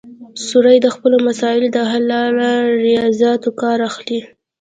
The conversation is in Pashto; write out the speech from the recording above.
سروې د خپلو مسایلو د حل لپاره له ریاضیاتو کار اخلي